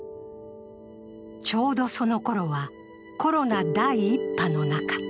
ちょうどそのころはコロナ第１波の中。